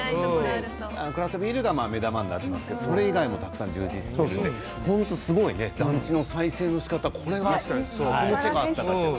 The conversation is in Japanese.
クラフトビールが目玉になってますけどそれ以外も充実していて本当にすごいね団地の再生のしかたこの手があったかって。